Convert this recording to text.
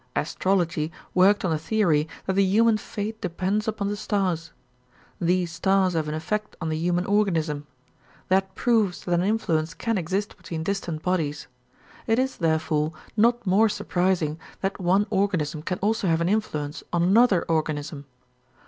Astrology worked on the theory that the human fate depends upon the stars. These stars have an effect on the human organism. That proves that an influence can exist between distant bodies. It is, therefore, not more surprising that one organism can also have an influence on another organism.